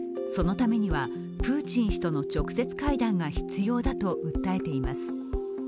そのためにはプーチン氏との直接会談が必要だと訴えています。